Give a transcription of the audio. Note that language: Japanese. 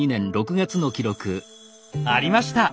ありました！